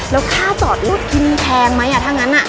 แล้วค่าจอดรถกินแพงไหมถ้างั้น